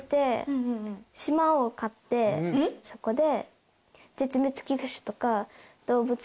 そこで。